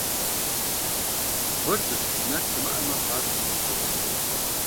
Кхъуэр зыщышынэн щымыӀэмэ, Ӏуащхьэм докӀуей.